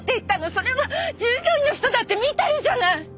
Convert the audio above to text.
それは従業員の人だって見てるじゃない！